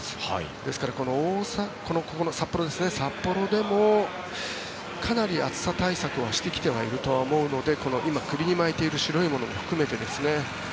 ですから札幌でもかなり暑さ対策はしてきてはいると思うので今、首に巻いている白いものも含めてですね。